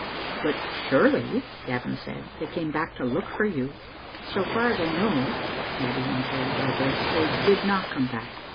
"But surely," Gavin said, "they came back to look for you?" "So far as I know," Babbie answered hardly, "they did not come back.